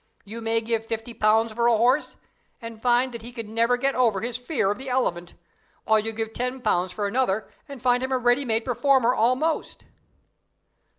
You may give fifty pounds for a horse, and find that he can never get over his fear of the elephant, while you give ten pounds for another, and find him a ready made performer almost."